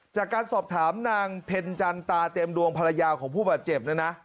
จากการสอบถามนางเพ็ญจันตาเต็มดวงภรรยาของผู้บาดเจ็บนะนะ